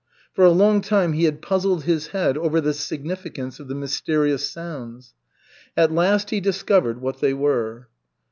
For a long time he had puzzled his head over the significance of the mysterious sounds. At last he discovered what they were.